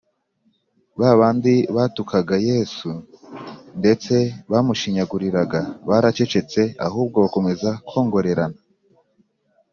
ba bandi batukaga yesu ndetse bamushinyaguriraga baracecetse, ahubwo bakomeza kongorerana